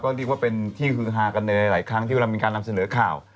เรียกว่าเป็นที่ฮือฮากันในหลายครั้งที่เวลามีการนำเสนอข่าว